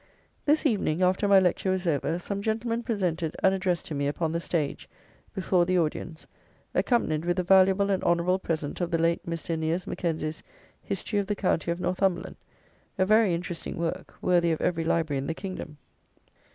This evening, after my lecture was over, some gentlemen presented an address to me upon the stage, before the audience, accompanied with the valuable and honourable present of the late Mr. Eneas Mackenzie's History of the County of Northumberland; a very interesting work, worthy of every library in the kingdom.